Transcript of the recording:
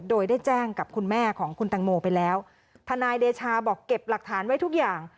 โดยได้แจ้งกับคุณแม่ของคุณตังโมไปแล้วทนายเดชาบอกเก็บหลักฐานไว้ทุกอย่าง